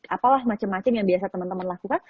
apalah macam macam yang biasa teman teman lakukan